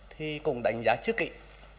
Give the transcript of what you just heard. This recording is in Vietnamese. thì cũng đánh giá trước kịp